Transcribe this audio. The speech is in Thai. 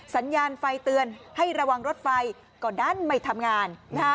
สัญญาณไฟเตือนให้ระวังรถไฟก็ดันไม่ทำงาน